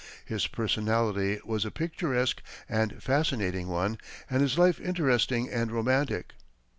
His personality was a picturesque and fascinating one and his life interesting and romantic.